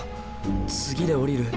次で降りる？